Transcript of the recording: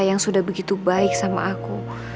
yang sudah begitu baik sama aku